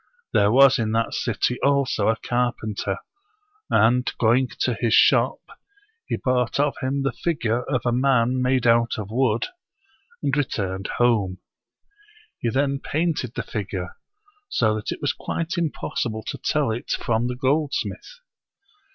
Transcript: There was in that city also a carpenter ; and, going to his shop, he bought of him the figure of a man made out of wood, and returned home. He then painted the figure, so that it was quite impossible to tell it from the goldsmith.